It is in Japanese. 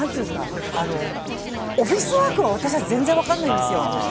オフィスワークを私は全然分からないんですよ。